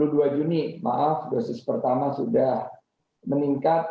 dua puluh dua juni maaf dosis pertama sudah meningkat